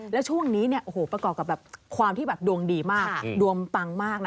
และช่วงนี้ประกอบกับความที่ดวงดีมากดวงปังมาก